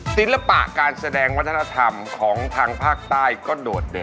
ศิลปะการแสดงวัฒนธรรมของทางภาคใต้ก็โดดเด่น